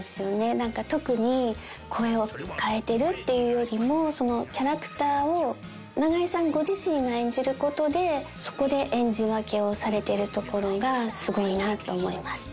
なんか特に声を変えてるっていうよりもそのキャラクターを永井さんご自身が演じる事でそこで演じ分けをされてるところがスゴいなと思います。